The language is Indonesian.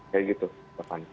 kayak gitu bapak